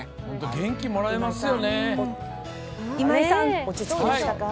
元気もらえますよね。